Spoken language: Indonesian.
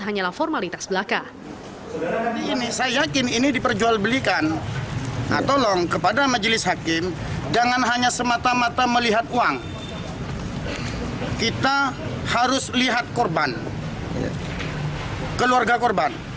hanyalah formalitas belaka